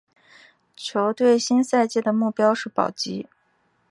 球队新赛季的目标是保级。